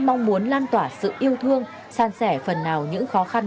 mong muốn lan tỏa sự yêu thương san sẻ phần nào những khó khăn